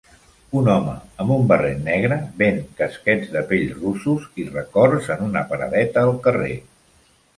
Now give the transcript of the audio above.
Un home amb un barret negra ven casquets de pell russos i records en una paradeta al carrer.